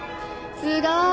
すごーい！